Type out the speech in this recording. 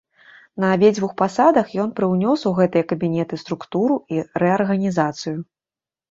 На абедзвюх пасадах ён прыўнёс у гэтыя кабінеты структуру і рэарганізацыю.